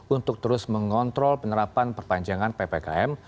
untuk terus mengontrol penerapan perpanjangan ppkm